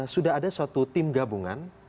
sudah ada suatu tim gabungan